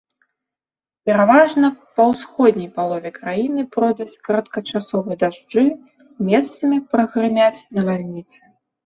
Пераважна па ўсходняй палове краіны пройдуць кароткачасовыя дажджы, месцамі прагрымяць навальніцы.